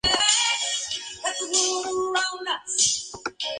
Su demarcación es portero.